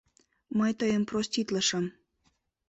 Мый тыйым проститлышым.